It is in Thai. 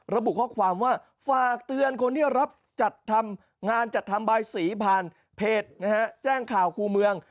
ระบุข้อความว่าฝากเตือนคนที่รับจัดทำงานจัดทำบายสีผ่านเพจแจ้งข่าวครูเมือง